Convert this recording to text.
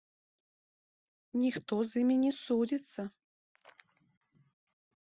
Ніхто з імі не судзіцца.